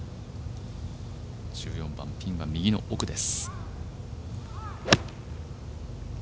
１４番、ピンは右の奥です。